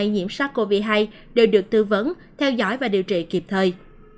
ngày nhiễm sát covid một mươi chín đều được tư vấn theo dõi và điều trị kịp thời